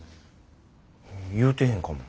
言うてへんかも。